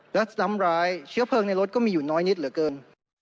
และซ้ำร้ายเชื้อเพลิงในรถก็มีอยู่น้อยนิดเหลือเกิน